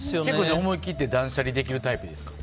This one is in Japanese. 思い切って断捨離できるタイプですか？